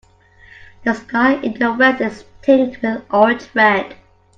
The sky in the west is tinged with orange red.